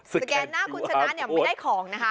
สแกนหน้าคุณชนะไม่ได้ของนะคะ